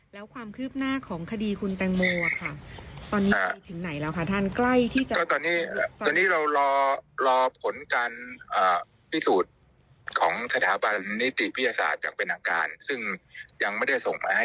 แล้วความคืบหน้าของคดีคุณแตงโมว่าค่ะ